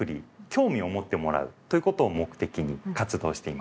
興味を持ってもらうという事を目的に活動しています。